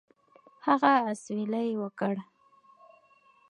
هغه اسویلی وکړ.